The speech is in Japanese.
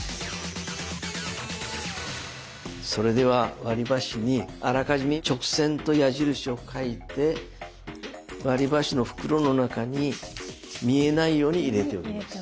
それでは割りばしにあらかじめ直線と矢印を書いて割りばしの袋の中に見えないように入れておきます。